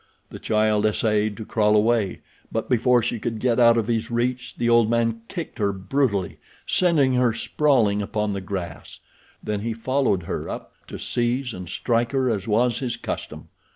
The child essayed to crawl away; but before she could get out of his reach the old man kicked her brutally, sending her sprawling upon the grass. Then he followed her up to seize and strike her as was his custom.